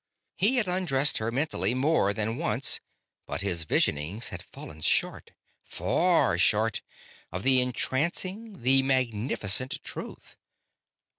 He had undressed her mentally more than once, but his visionings had fallen short, far short, of the entrancing, the magnificent truth.